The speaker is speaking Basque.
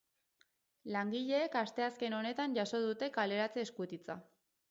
Langileek asteazken honetan jaso dute kaleratze eskutitza.